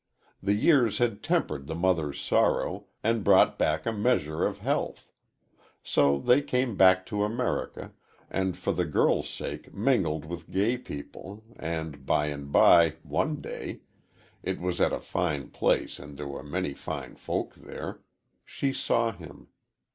The years had tempered the mother's sorrow, and brought back a measure of health. So they came back to America, and for the girl's sake mingled with gay people, and by and by, one day it was at a fine place and there were many fine folk there she saw him.